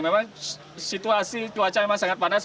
memang situasi cuaca memang sangat panas